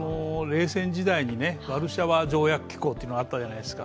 冷戦時代にワルシャワ条約機構というのがあったじゃないですか。